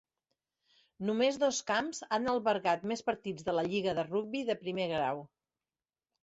Només dos camps han albergat més partits de la lliga de rugbi de primer grau.